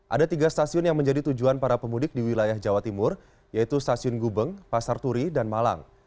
ada tiga stasiun yang menjadi tujuan para pemudik di wilayah jawa timur yaitu stasiun gubeng pasar turi dan malang